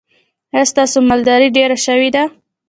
ایا ستاسو مالداري ډیره شوې ده؟